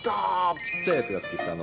ちっちゃいやつが好きです。